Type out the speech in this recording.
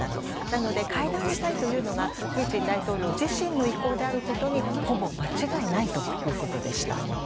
なので、会談したいというのがプーチン大統領自身の意向であることにほぼ間違いないということでした。